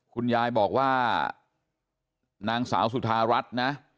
คุณยายบอกว่านางสาวสุธารัฐนะ